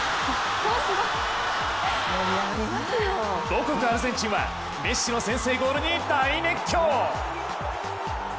母国アルゼンチンはメッシの先制ゴールに大熱狂！